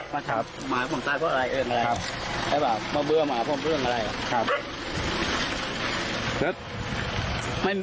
มาถามหมาผมตายเพราะอะไรเอิงอะไรแล้วแบบมาเบื่อหมาผมเรื่องอะไร